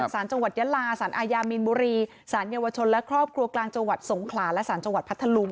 ศจยะลาศอายามีนบุรีศเยาวชนและครอบครัวกลางจสงขลาและศจพัทธลุง